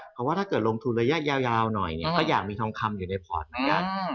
เพราะว่าถ้าเกิดลงทุนระยะยาวหน่อยเนี่ยก็อยากมีทองคำอยู่ในพอร์ตเหมือนกัน